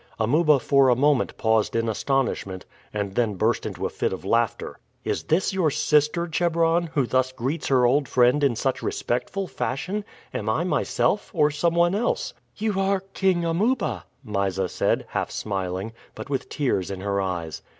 Amuba for a moment paused in astonishment, and then burst into a fit of laughter. "Is this your sister, Chebron, who thus greets her old friend in such respectful fashion? Am I myself or some one else?" "You are King Amuba," Mysa said, half smiling, but with tears in her eyes.